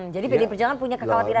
jadi pdi perjuangan punya kekhawatiran itu